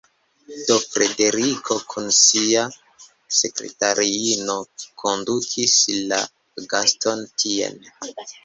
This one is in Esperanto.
Do Frederiko kun sia sekretariino kondukis la gaston tien.